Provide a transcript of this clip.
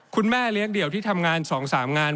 คุณแม่เลี้ยงเดี่ยวที่ทำงาน๒๓งาน